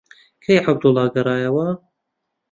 کەی عەبدوڵڵا گەڕایەوە؟